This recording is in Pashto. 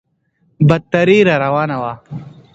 بدتري راروانه وه.